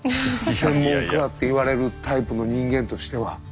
専門家っていわれるタイプの人間としては。